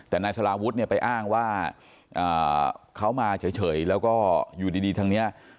แต่นายสลาวุฒิเนี่ยไปอ้างว่าเขามาเฉยแล้วก็อยู่ดีทางนี้